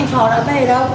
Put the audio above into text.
bình thường họ làm về đi đâu